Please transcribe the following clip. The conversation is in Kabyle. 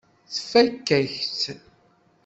Tfakk-ak-tt.